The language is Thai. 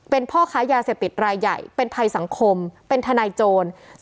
เป็นพ่อค้ายาเสพติดรายใหญ่เป็นภัยสังคมเป็นทนายโจร